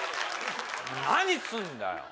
何すんだよ！